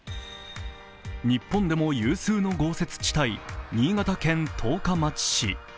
日本でも有数の豪雪地帯、新潟県十日町市。